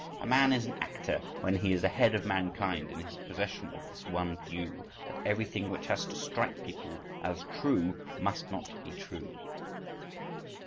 A man is an actor when he is ahead of mankind in his possession of this one view, that everything which has to strike people as true, must not be true.